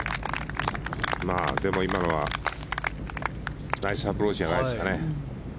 今のはナイスアプローチじゃないですかね。